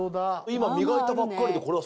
今磨いたばっかりで。